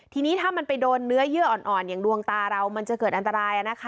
ทีนี้ถ้ามันไปโดนเนื้อเยื่ออ่อนอย่างดวงตาเรามันจะเกิดอันตราย